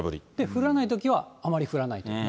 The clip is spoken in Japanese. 降らないときはあまり降らないという。